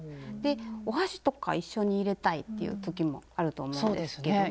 お箸とか一緒に入れたいっていう時もあると思うんですけども。